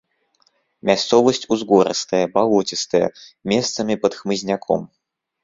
Мясцовасць узгорыстая, балоцістая, месцамі пад хмызняком.